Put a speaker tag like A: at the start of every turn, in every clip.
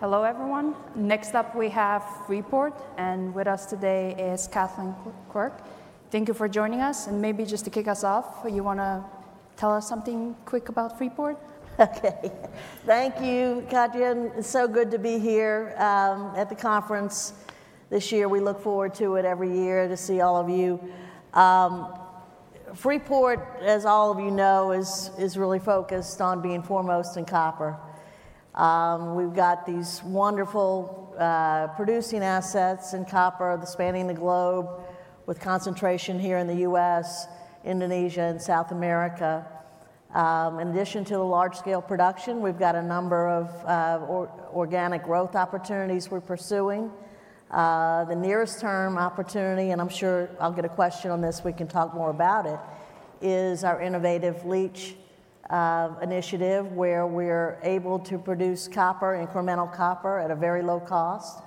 A: Hello, everyone. Next up, we have Freeport, and with us today is Kathleen Quirk. Thank you for joining us, and maybe just to kick us off, you want to tell us something quick about Freeport?
B: Okay. Thank you, Katja. It's so good to be here at the conference this year. We look forward to it every year to see all of you. Freeport, as all of you know, is really focused on being foremost in copper. We've got these wonderful producing assets in copper spanning the globe, with concentration here in the U.S., Indonesia, and South America. In addition to the large-scale production, we've got a number of organic growth opportunities we're pursuing. The nearest term opportunity, and I'm sure I'll get a question on this, we can talk more about it, is our innovative leach initiative, where we're able to produce incremental copper at a very low cost,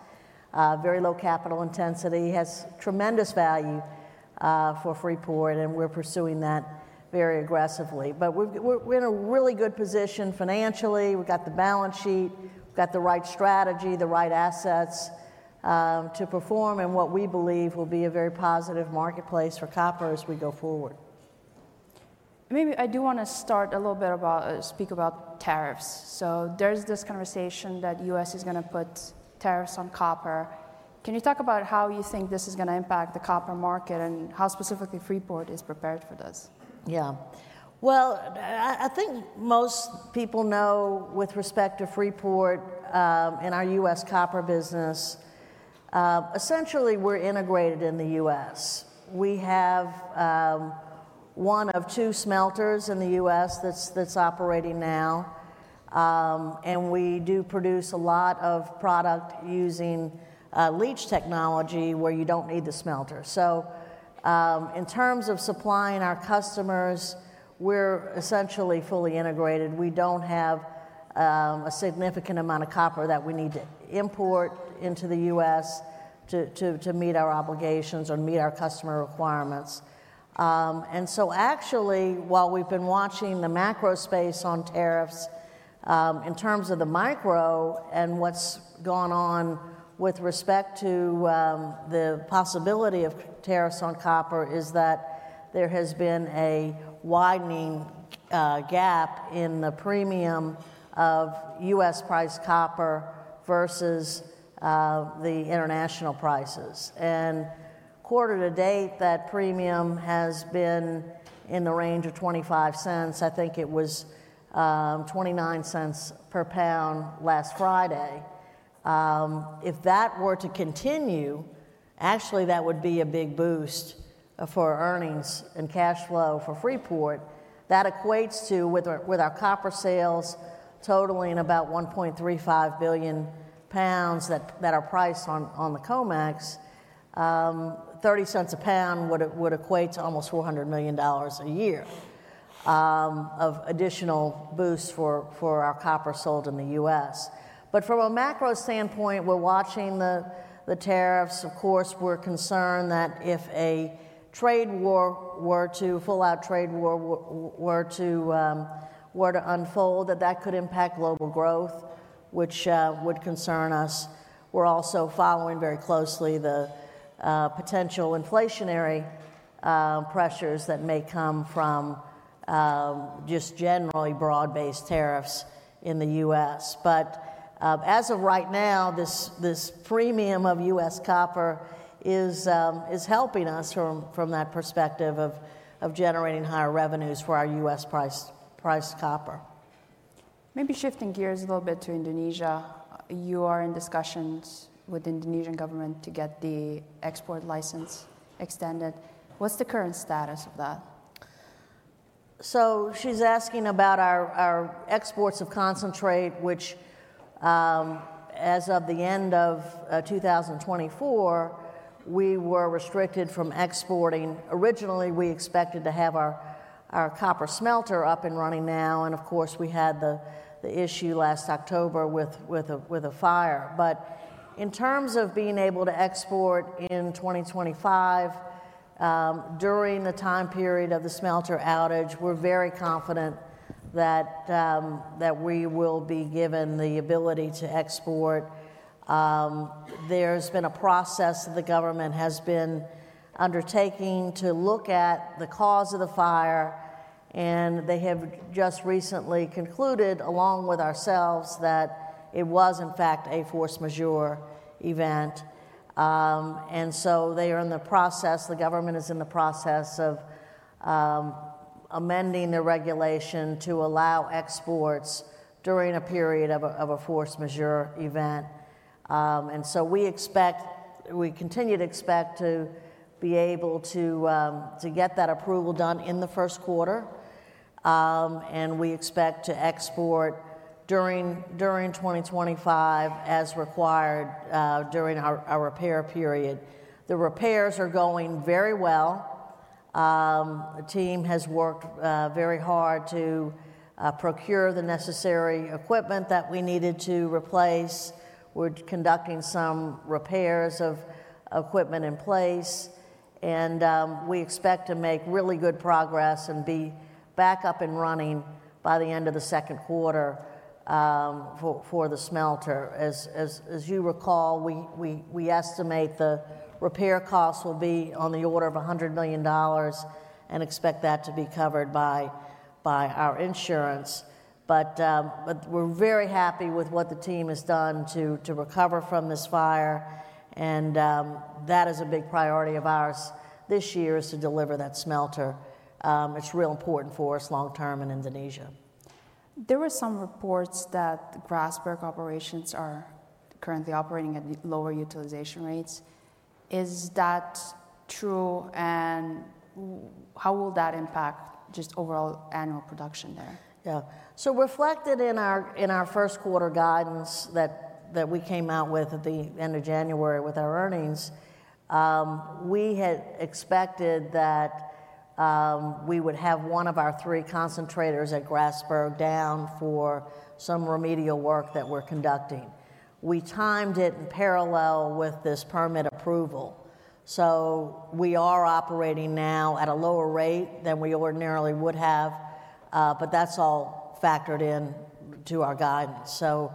B: very low capital intensity. It has tremendous value for Freeport, and we're pursuing that very aggressively. But we're in a really good position financially. We've got the balance sheet, we've got the right strategy, the right assets to perform, and what we believe will be a very positive marketplace for copper as we go forward.
A: Maybe I do want to start a little bit to speak about tariffs. So there's this conversation that the U.S. is going to put tariffs on copper. Can you talk about how you think this is going to impact the copper market and how specifically Freeport is prepared for this?
B: Yeah. Well, I think most people know, with respect to Freeport and our U.S. copper business, essentially, we're integrated in the U.S. We have one of two smelters in the U.S. that's operating now, and we do produce a lot of product using leach technology, where you don't need the smelter. So in terms of supplying our customers, we're essentially fully integrated. We don't have a significant amount of copper that we need to import into the U.S. to meet our obligations or meet our customer requirements. And so actually, while we've been watching the macro space on tariffs, in terms of the micro and what's gone on with respect to the possibility of tariffs on copper, is that there has been a widening gap in the premium of U.S.-priced copper versus the international prices. And quarter to date, that premium has been in the range of $0.25. I think it was $0.29 per pound last Friday. If that were to continue, actually, that would be a big boost for earnings and cash flow for Freeport. That equates to, with our copper sales totaling about 1.35 billion lbs that are priced on the COMEX, $0.30 a pound would equate to almost $400 million a year of additional boost for our copper sold in the U.S. But from a macro standpoint, we're watching the tariffs. Of course, we're concerned that if a trade war were to, full-out trade war were to unfold, that that could impact global growth, which would concern us. We're also following very closely the potential inflationary pressures that may come from just generally broad-based tariffs in the U.S. But as of right now, this premium of U.S. copper is helping us from that perspective of generating higher revenues for our U.S.-priced copper.
A: Maybe shifting gears a little bit to Indonesia. You are in discussions with the Indonesian government to get the export license extended. What's the current status of that?
B: She's asking about our exports of concentrate, which, as of the end of 2024, we were restricted from exporting. Originally, we expected to have our copper smelter up and running now, and of course, we had the issue last October with a fire. But in terms of being able to export in 2025, during the time period of the smelter outage, we're very confident that we will be given the ability to export. There's been a process that the government has been undertaking to look at the cause of the fire, and they have just recently concluded, along with ourselves, that it was, in fact, a force majeure event. And so they are in the process, the government is in the process of amending the regulation to allow exports during a period of a force majeure event. And so we expect, we continue to expect, to be able to get that approval done in the first quarter, and we expect to export during 2025 as required during our repair period. The repairs are going very well. The team has worked very hard to procure the necessary equipment that we needed to replace. We're conducting some repairs of equipment in place, and we expect to make really good progress and be back up and running by the end of the second quarter for the smelter. As you recall, we estimate the repair costs will be on the order of $100 million and expect that to be covered by our insurance. But we're very happy with what the team has done to recover from this fire, and that is a big priority of ours this year, is to deliver that smelter. It's real important for us long-term in Indonesia.
A: There were some reports that the Grasberg operations are currently operating at lower utilization rates. Is that true, and how will that impact just overall annual production there?
B: Yeah. So reflected in our first quarter guidance that we came out with at the end of January with our earnings, we had expected that we would have one of our three concentrators at Grasberg down for some remedial work that we're conducting. We timed it in parallel with this permit approval. So we are operating now at a lower rate than we ordinarily would have, but that's all factored into our guidance. So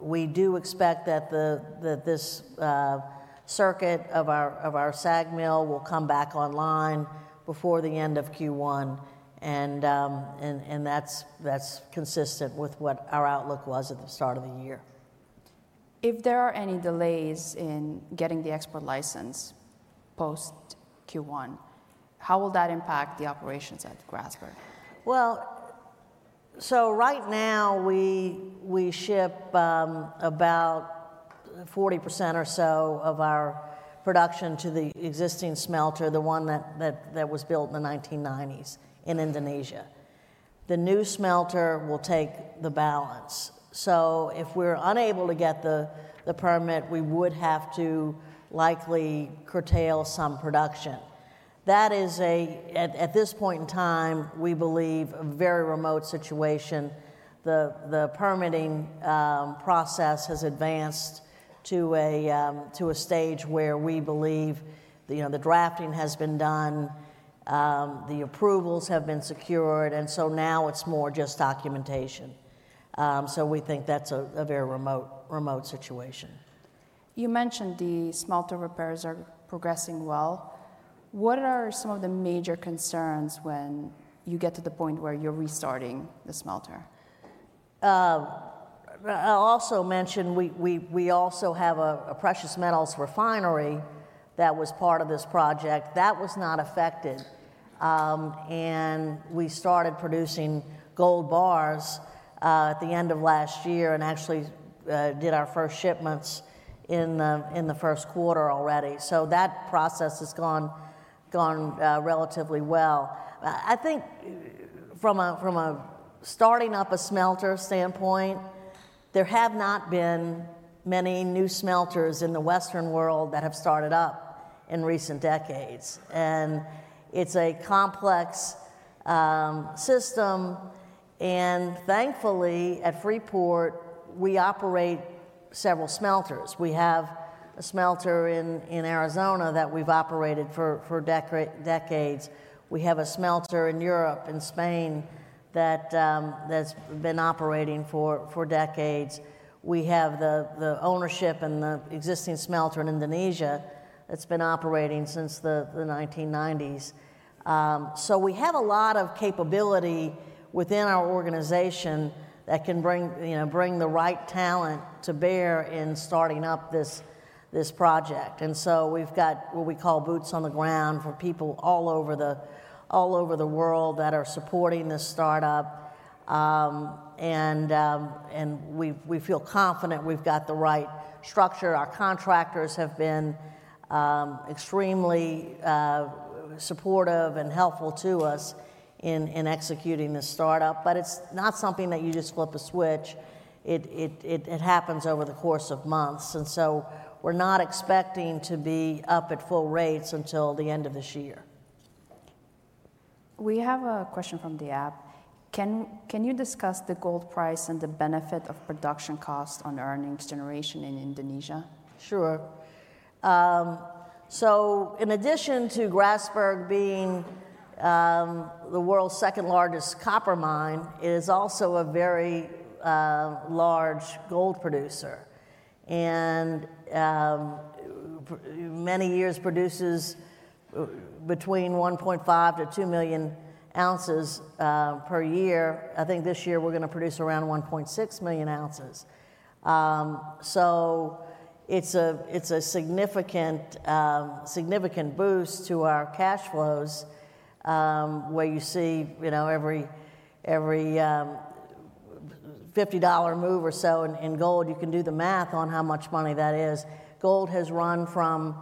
B: we do expect that this circuit of our SAG mill will come back online before the end of Q1, and that's consistent with what our outlook was at the start of the year.
A: If there are any delays in getting the export license post-Q1, how will that impact the operations at Grasberg?
B: Well, so right now, we ship about 40% or so of our production to the existing smelter, the one that was built in the 1990s in Indonesia. The new smelter will take the balance. So if we're unable to get the permit, we would have to likely curtail some production. That is a, at this point in time, we believe, a very remote situation. The permitting process has advanced to a stage where we believe the drafting has been done, the approvals have been secured, and so now it's more just documentation. So we think that's a very remote situation.
A: You mentioned the smelter repairs are progressing well. What are some of the major concerns when you get to the point where you're restarting the smelter?
B: I'll also mention we also have a precious metals refinery that was part of this project. That was not affected, and we started producing gold bars at the end of last year and actually did our first shipments in the first quarter already. So that process has gone relatively well. I think from a starting up a smelter standpoint, there have not been many new smelters in the Western world that have started up in recent decades. And it's a complex system, and thankfully, at Freeport, we operate several smelters. We have a smelter in Arizona that we've operated for decades. We have a smelter in Europe and Spain that's been operating for decades. We have the ownership and the existing smelter in Indonesia that's been operating since the 1990s. So we have a lot of capability within our organization that can bring the right talent to bear in starting up this project. And so we've got what we call boots on the ground for people all over the world that are supporting this startup, and we feel confident we've got the right structure. Our contractors have been extremely supportive and helpful to us in executing this startup, but it's not something that you just flip a switch. It happens over the course of months, and so we're not expecting to be up at full rates until the end of this year.
A: We have a question from the app. Can you discuss the gold price and the benefit of production cost on earnings generation in Indonesia?
B: Sure. So in addition to Grasberg being the world's second-largest copper mine, it is also a very large gold producer and many years produces between 1.5 million-2 million ounces per year. I think this year we're going to produce around 1.6 million ounces. So it's a significant boost to our cash flows, where you see every $50 move or so in gold, you can do the math on how much money that is. Gold has run from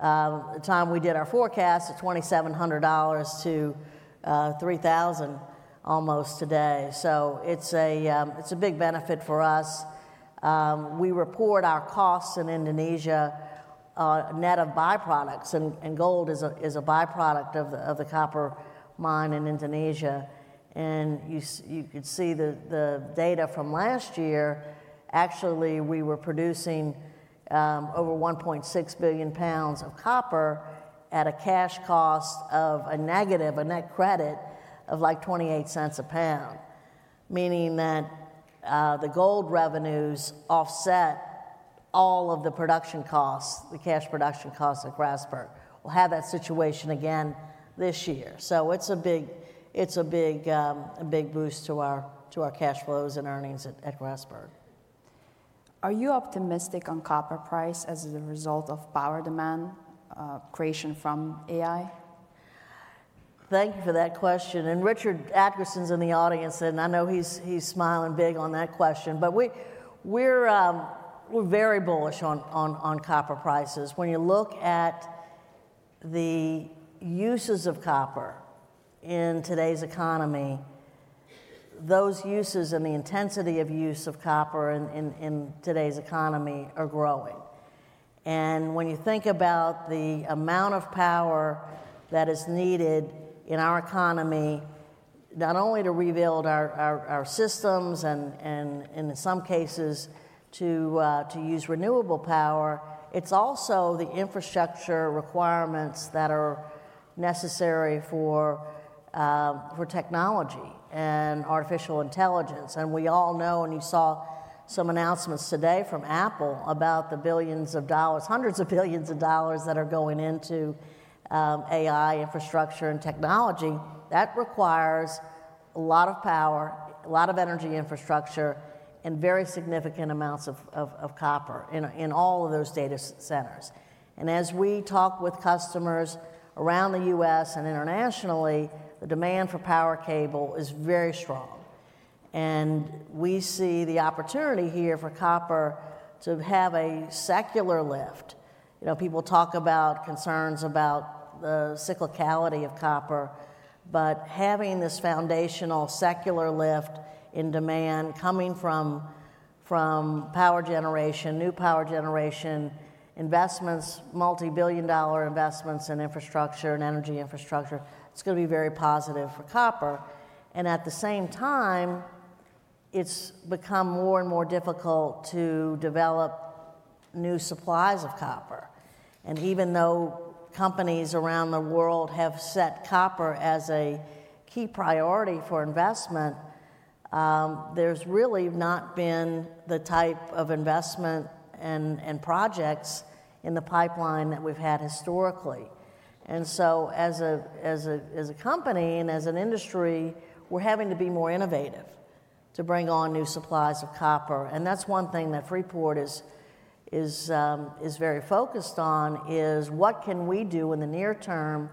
B: the time we did our forecast at $2,700 to $3,000 almost today. So it's a big benefit for us. We report our costs in Indonesia net of byproducts, and gold is a byproduct of the copper mine in Indonesia. And you could see the data from last year. Actually, we were producing over 1.6 billion lbs of copper at a cash cost of a negative, a net credit of like $0.28 a pound, meaning that the gold revenues offset all of the production costs, the cash production costs at Grasberg. We'll have that situation again this year. So it's a big boost to our cash flows and earnings at Grasberg.
A: Are you optimistic on copper price as a result of power demand creation from AI?
B: Thank you for that question. And Richard Adkerson's in the audience, and I know he's smiling big on that question, but we're very bullish on copper prices. When you look at the uses of copper in today's economy, those uses and the intensity of use of copper in today's economy are growing. And when you think about the amount of power that is needed in our economy, not only to rebuild our systems and in some cases to use renewable power, it's also the infrastructure requirements that are necessary for technology and artificial intelligence. And we all know, and you saw some announcements today from Apple about the billions of dollars, hundreds of billions of dollars that are going into AI infrastructure and technology. That requires a lot of power, a lot of energy infrastructure, and very significant amounts of copper in all of those data centers. And as we talk with customers around the U.S. and internationally, the demand for power cable is very strong. And we see the opportunity here for copper to have a secular lift. People talk about concerns about the cyclicality of copper, but having this foundational secular lift in demand coming from power generation, new power generation investments, multi-billion-dollar investments in infrastructure and energy infrastructure, it's going to be very positive for copper. And at the same time, it's become more and more difficult to develop new supplies of copper. And even though companies around the world have set copper as a key priority for investment, there's really not been the type of investment and projects in the pipeline that we've had historically. And so as a company and as an industry, we're having to be more innovative to bring on new supplies of copper. That's one thing that Freeport is very focused on, is what can we do in the near term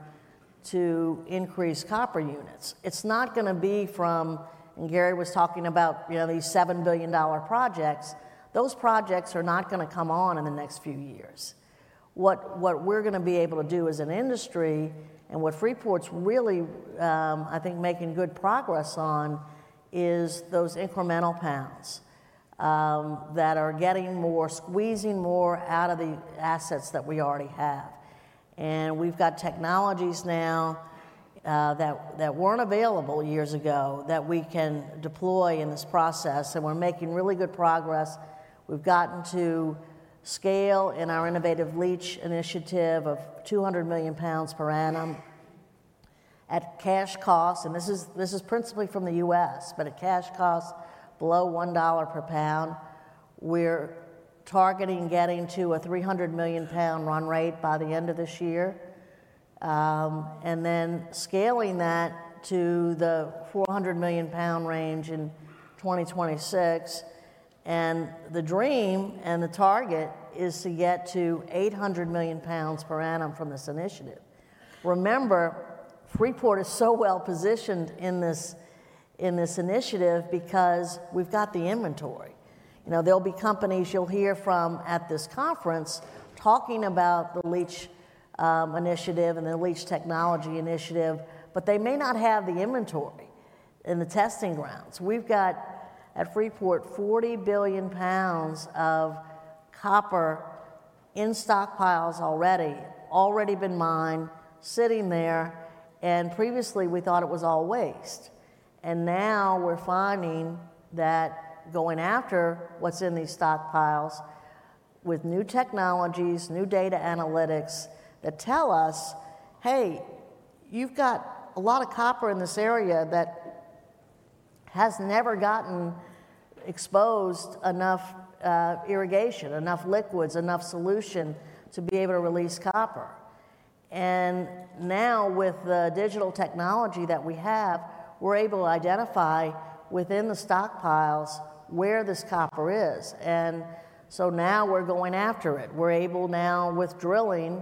B: to increase copper units. It's not going to be from, and Gary was talking about these $7 billion projects. Those projects are not going to come on in the next few years. What we're going to be able to do as an industry and what Freeport's really, I think, making good progress on is those incremental pounds that are getting more, squeezing more out of the assets that we already have. We've got technologies now that weren't available years ago that we can deploy in this process, and we're making really good progress. We've gotten to scale in our innovative leach initiative of 200 million lbs per annum at cash cost, and this is principally from the U.S., but at cash cost below $1 per pound. We're targeting getting to a 300 million lbs run rate by the end of this year, and then scaling that to the 400 million lbs range in 2026. The dream and the target is to get to 800 million lbs per annum from this initiative. Remember, Freeport is so well positioned in this initiative because we've got the inventory. There'll be companies you'll hear from at this conference talking about the leach initiative and the leach technology initiative, but they may not have the inventory in the testing grounds. We've got at Freeport 40 billion lbs of copper in stockpiles already, already been mined, sitting there, and previously we thought it was all waste. And now we're finding that going after what's in these stockpiles with new technologies, new data analytics that tell us, "Hey, you've got a lot of copper in this area that has never gotten exposed to enough irrigation, enough liquids, enough solution to be able to release copper." And now with the digital technology that we have, we're able to identify within the stockpiles where this copper is. And so now we're going after it. We're able now with drilling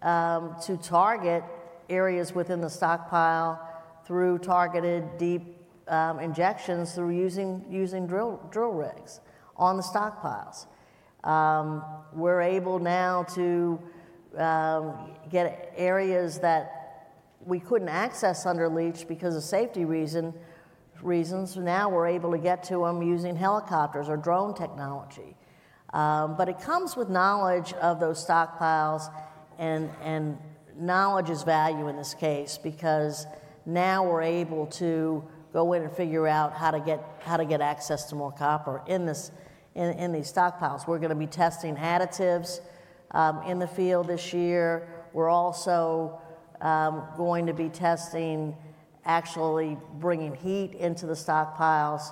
B: to target areas within the stockpile through targeted deep injections through using drill rigs on the stockpiles. We're able now to get areas that we couldn't access under leach because of safety reasons. Now we're able to get to them using helicopters or drone technology. But it comes with knowledge of those stockpiles, and knowledge is value in this case because now we're able to go in and figure out how to get access to more copper in these stockpiles. We're going to be testing additives in the field this year. We're also going to be testing, actually bringing heat into the stockpiles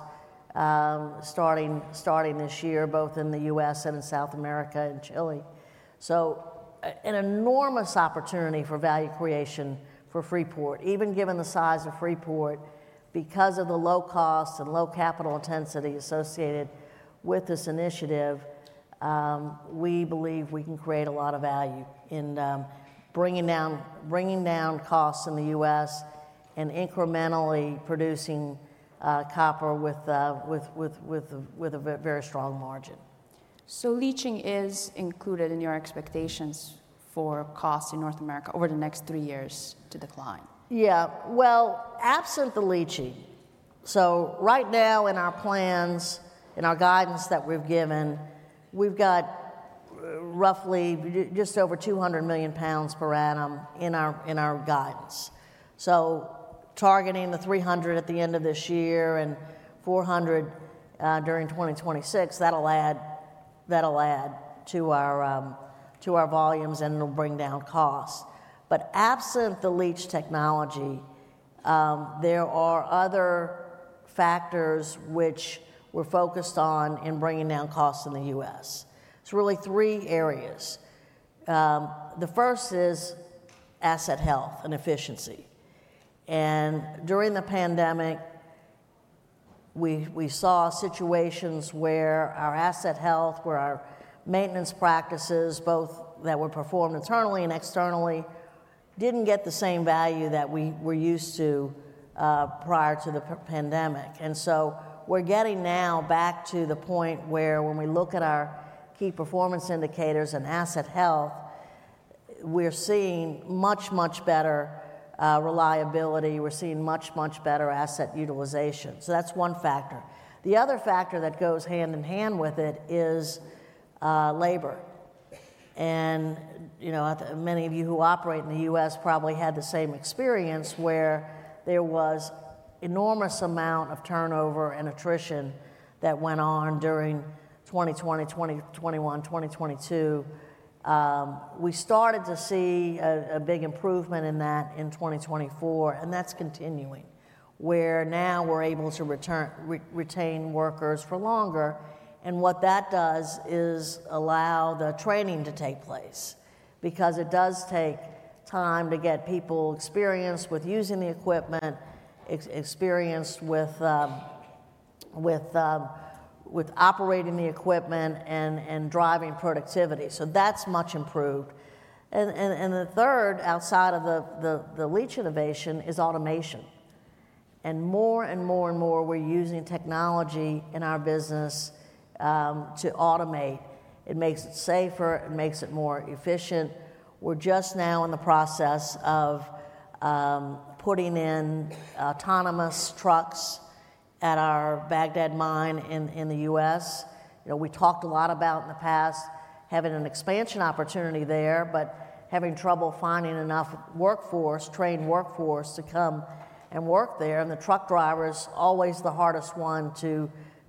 B: starting this year, both in the U.S. and in South America and Chile. So an enormous opportunity for value creation for Freeport. Even given the size of Freeport, because of the low cost and low capital intensity associated with this initiative, we believe we can create a lot of value in bringing down costs in the U.S. and incrementally producing copper with a very strong margin.
A: Leaching is included in your expectations for costs in North America over the next three years to decline?
B: Yeah. Well, absent the leaching, so right now in our plans, in our guidance that we've given, we've got roughly just over 200 million lbs per annum in our guidance, so targeting the 300 million lbs at the end of this year and 400 million lbs during 2026, that'll add to our volumes and it'll bring down costs, but absent the leach technology, there are other factors which we're focused on in bringing down costs in the U.S. It's really three areas. The first is asset health and efficiency, and during the pandemic, we saw situations where our asset health, where our maintenance practices, both that were performed internally and externally, didn't get the same value that we were used to prior to the pandemic, and so we're getting now back to the point where when we look at our key performance indicators and asset health, we're seeing much, much better reliability. We're seeing much, much better asset utilization. So that's one factor. The other factor that goes hand in hand with it is labor. And many of you who operate in the U.S. probably had the same experience where there was an enormous amount of turnover and attrition that went on during 2020, 2021, 2022. We started to see a big improvement in that in 2024, and that's continuing, where now we're able to retain workers for longer. And what that does is allow the training to take place because it does take time to get people experienced with using the equipment, experienced with operating the equipment and driving productivity. So that's much improved. And the third outside of the leach innovation is automation. And more and more and more we're using technology in our business to automate. It makes it safer. It makes it more efficient. We're just now in the process of putting in autonomous trucks at our Bagdad mine in the U.S. We talked a lot about, in the past, having an expansion opportunity there, but having trouble finding enough workforce, trained workforce to come and work there, and the truck driver is always the hardest one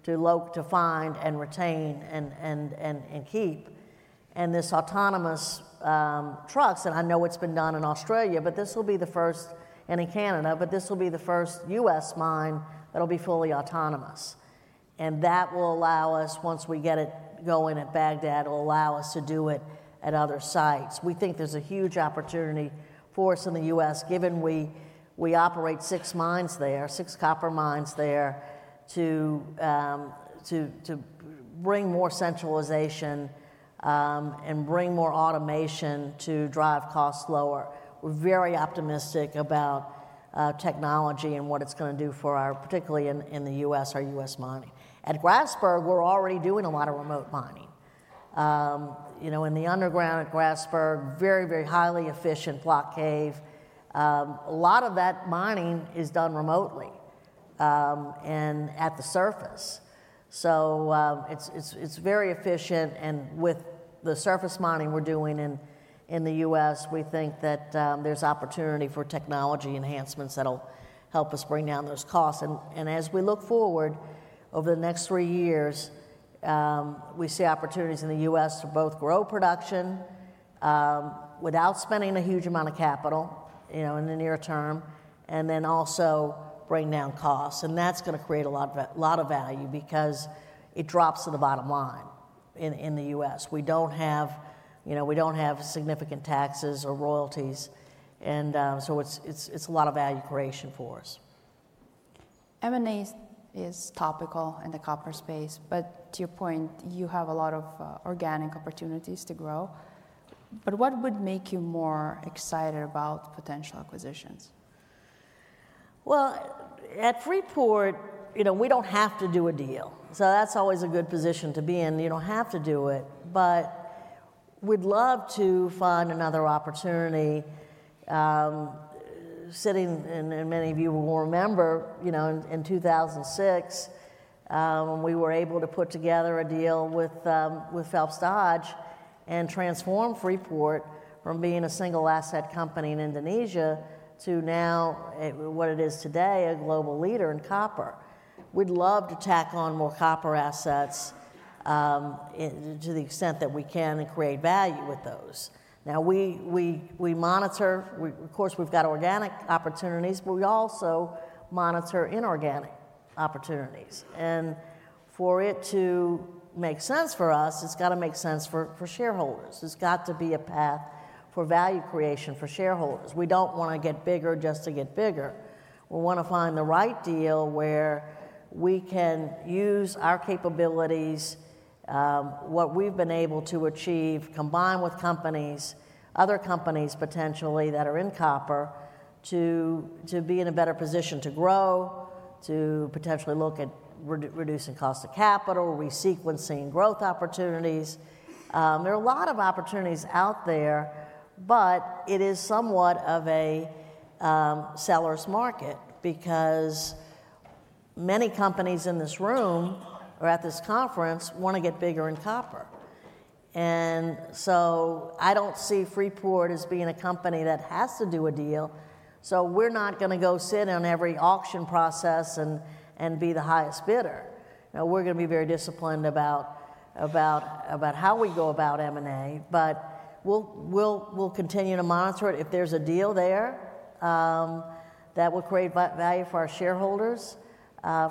B: to find and retain and keep, and this autonomous truck, and I know it's been done in Australia, but this will be the first, and in Canada, but this will be the first U.S. mine that'll be fully autonomous, and that will allow us, once we get it going at Bagdad, it'll allow us to do it at other sites. We think there's a huge opportunity for us in the U.S., given we operate six mines there, six copper mines there, to bring more centralization and bring more automation to drive costs lower. We're very optimistic about technology and what it's going to do for our, particularly in the U.S., our U.S. mining. At Grasberg, we're already doing a lot of remote mining. In the underground at Grasberg, very, very highly efficient block cave. A lot of that mining is done remotely and at the surface. So it's very efficient. And with the surface mining we're doing in the U.S., we think that there's opportunity for technology enhancements that'll help us bring down those costs. And as we look forward over the next three years, we see opportunities in the U.S. to both grow production without spending a huge amount of capital in the near term, and then also bring down costs. And that's going to create a lot of value because it drops to the bottom line in the U.S. We don't have significant taxes or royalties. It's a lot of value creation for us.
A: M&A is topical in the copper space, but to your point, you have a lot of organic opportunities to grow. But what would make you more excited about potential acquisitions?
B: At Freeport, we don't have to do a deal. So that's always a good position to be in. You don't have to do it, but we'd love to find another opportunity. Sitting, and many of you will remember, in 2006, we were able to put together a deal with Phelps Dodge and transform Freeport from being a single asset company in Indonesia to now what it is today, a global leader in copper. We'd love to tack on more copper assets to the extent that we can and create value with those. Now, we monitor. Of course, we've got organic opportunities, but we also monitor inorganic opportunities. And for it to make sense for us, it's got to make sense for shareholders. It's got to be a path for value creation for shareholders. We don't want to get bigger just to get bigger. We want to find the right deal where we can use our capabilities, what we've been able to achieve, combine with companies, other companies potentially that are in copper to be in a better position to grow, to potentially look at reducing cost of capital, re-sequencing growth opportunities. There are a lot of opportunities out there, but it is somewhat of a seller's market because many companies in this room or at this conference want to get bigger in copper. And so I don't see Freeport as being a company that has to do a deal. So we're not going to go sit on every auction process and be the highest bidder. We're going to be very disciplined about how we go about M&A, but we'll continue to monitor it. If there's a deal there that will create value for our shareholders,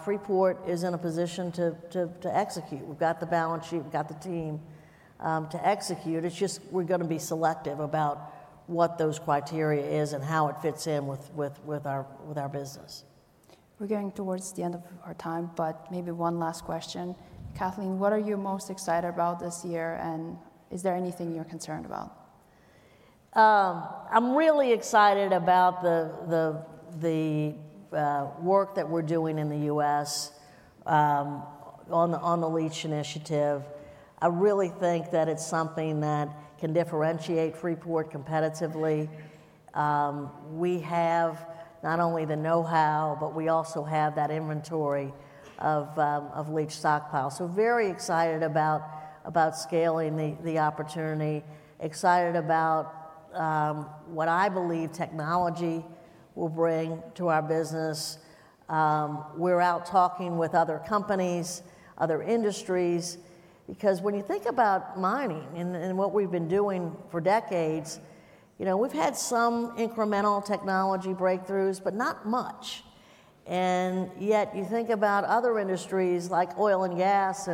B: Freeport is in a position to execute. We've got the balance sheet. We've got the team to execute. It's just we're going to be selective about what those criteria are and how it fits in with our business.
A: We're getting towards the end of our time, but maybe one last question. Kathleen, what are you most excited about this year, and is there anything you're concerned about?
B: I'm really excited about the work that we're doing in the U.S. on the leach initiative. I really think that it's something that can differentiate Freeport competitively. We have not only the know-how, but we also have that inventory of leach stockpiles, so very excited about scaling the opportunity, excited about what I believe technology will bring to our business. We're out talking with other companies, other industries, because when you think about mining and what we've been doing for decades, we've had some incremental technology breakthroughs, but not much, and yet you think about other industries like oil and gas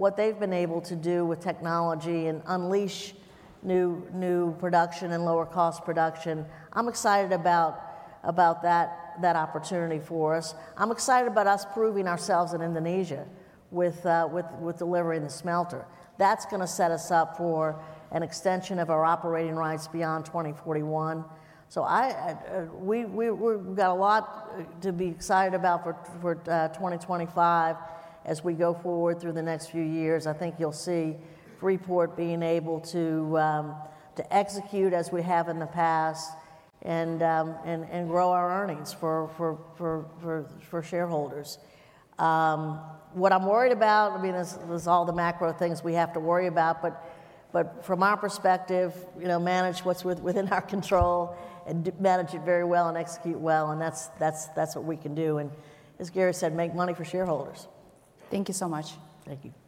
B: and what they've been able to do with technology and unleash new production and lower-cost production. I'm excited about that opportunity for us. I'm excited about us proving ourselves in Indonesia with delivering the smelter. That's going to set us up for an extension of our operating rights beyond 2041. So we've got a lot to be excited about for 2025 as we go forward through the next few years. I think you'll see Freeport being able to execute as we have in the past and grow our earnings for shareholders. What I'm worried about, I mean, there's all the macro things we have to worry about, but from our perspective, manage what's within our control and manage it very well and execute well. And that's what we can do. And as Gary said, make money for shareholders.
A: Thank you so much.
B: Thank you.